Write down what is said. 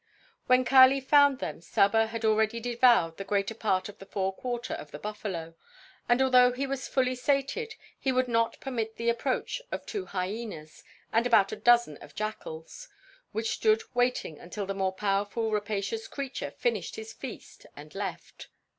When Kali found them Saba already had devoured the greater part of the fore quarter of the buffalo, and although he was fully sated he would not permit the approach of two hyenas and about a dozen of jackals, which stood waiting until the more powerful rapacious creature finished his feast and left.